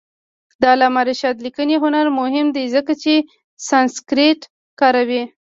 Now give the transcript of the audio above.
د علامه رشاد لیکنی هنر مهم دی ځکه چې سانسکریت کاروي.